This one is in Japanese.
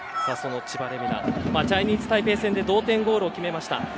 千葉玲海菜はチャイニーズタイペイ戦で同点ゴールを決めました。